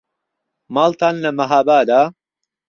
ماڵتان لە مەهابادە؟